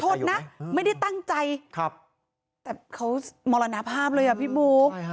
โทษนะไม่ได้ตั้งใจแต่เขามรณภาพเลยอ่ะพี่บุ๊ค